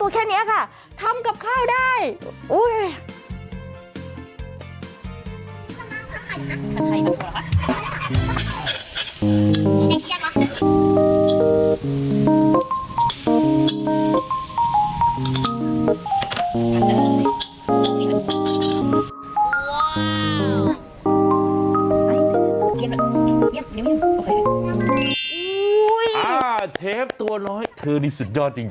เชฟตัวน้อยเธอนี่สุดยอดจริง